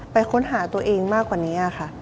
ค้นหาตัวเองมากกว่านี้ค่ะ